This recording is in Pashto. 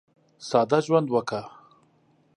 ساده ژوند وکړه.